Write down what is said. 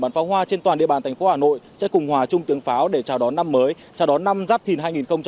bản pháo hoa trên toàn địa bàn thành phố hà nội sẽ cùng hòa chung tiếng pháo để chào đón năm mới chào đón năm giáp thìn hai nghìn hai mươi bốn